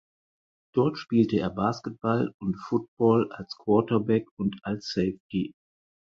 Dort spielte er Basketball und Football als Quarterback und als Safety.